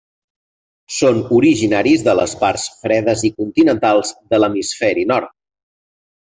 Són originaris de les parts fredes i continentals de l'hemisferi nord.